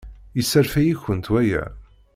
Yesserfay-ikent waya?